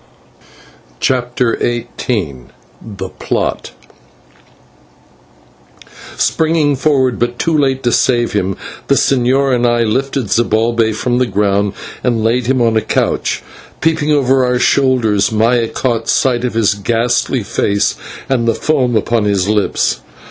CHAPTER XVIII THE PLOT Springing forward, but too late to save him, the señor and I lifted Zibalbay from the ground and laid him on a couch. Peeping over our shoulders, Maya caught sight of his ghastly face and the foam upon his lips.